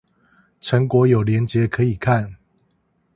成果有連結可以看